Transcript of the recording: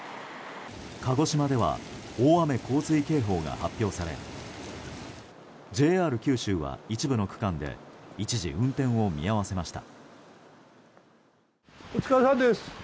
鹿児島では大雨・洪水警報が発表されＪＲ九州は一部の区間で一時、運転を見合わせました。